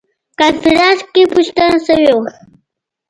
کنفرانس کې پوښتنه شوې وه.